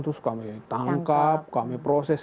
terus kami tangkap kami proses